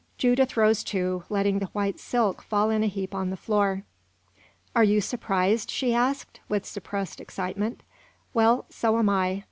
Judith rose, too, letting the white silk fall in a heap on the floor. "Are you surprised?" she asked, with suppressed excitement. "Well, so am I.